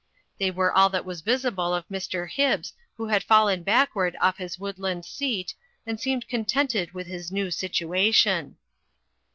They were all that was visible of Mr. Hibbs who had fallen backward off his woodland seat and seemed contented with his new situation.